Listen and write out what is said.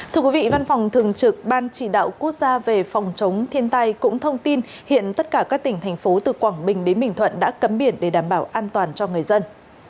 thưa quý vị văn phòng thường trực ban chỉ đạo quốc gia về phòng chống thiên tai cũng thông tin hiện tất cả các tỉnh thành phố từ quảng bình đến bình thuận đã cấm biển để đảm bảo an toàn cho người dân